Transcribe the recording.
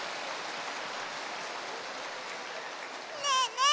ねえねえ